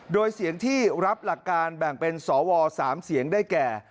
โดยเสียงที่รับหลักการแบ่งเป็นสว๓เสียงได้แก่